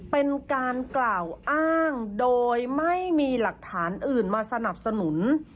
เป็นการกล่าวอ้างโดยไม่มีหลักฐานอื่นมาสนับสนุน